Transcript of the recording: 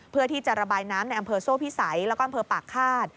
เพื่อที่จะระบายน้ำในอำเภอโซ่พิสัยแล้วก็อำเภอปากฆาต